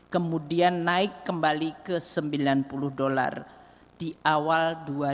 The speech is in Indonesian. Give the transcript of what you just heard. kemudian naik kembali ke sembilan puluh dolar di awal dua ribu dua puluh